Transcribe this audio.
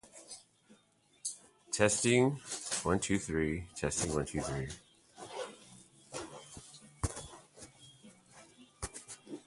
The speed limit is on the upper level and on the lower level.